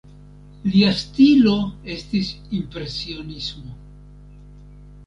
Lia stilo estis impresionismo.